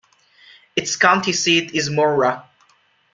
Its county seat is Mora.